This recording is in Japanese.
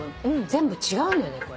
全部違うのよねこれ。